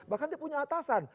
bahkan dia punya atasan